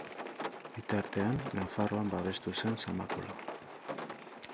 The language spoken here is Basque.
Bitartean, Nafarroan babestu zen Zamakola.